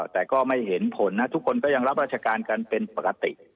แต่ก็ไม่เห็นผลนะทุกคนก็ยังรับราชการกันเป็นปกติ